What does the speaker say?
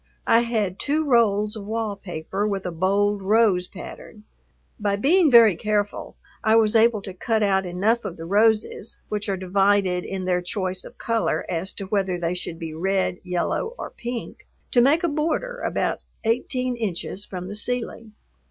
I had two rolls of wall paper with a bold rose pattern. By being very careful I was able to cut out enough of the roses, which are divided in their choice of color as to whether they should be red, yellow, or pink, to make a border about eighteen inches from the ceiling.